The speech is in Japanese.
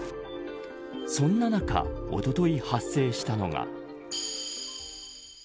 そんな中おととい発生したのが。